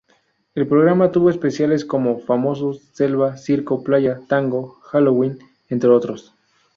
El programa tuvo especiales como: famosos, selva, circo, playa, tango, halloween, entre otros.